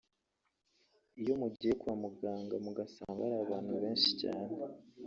Iyo mugiye kwa muganga mugasanga hari abantu benshi cyane